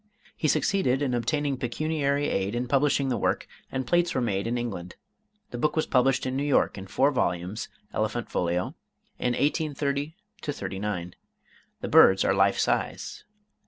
He succeeded in obtaining pecuniary aid in publishing the work, and plates were made in England. The book was published in New York in four volumes (elephant folio) in 1830 39. The birds are life size.